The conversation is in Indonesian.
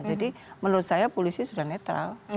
jadi menurut saya polisi sudah netral